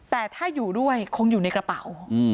แต่ถ้าอยู่ด้วยคงอยู่ในกระเป๋า